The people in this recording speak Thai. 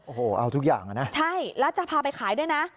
โอ้โหเอาทุกอย่างนะใช่แล้วจะพาไปขายด้วยนะ